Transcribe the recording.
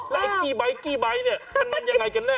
แล้วไอ้กี้ไบ๊กี้ไบ๊มันยังไงกันแน่